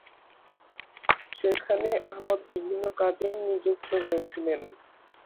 সেখানে আহমদ বিভিন্ন কাজে নিযুক্ত হয়েছিলেন।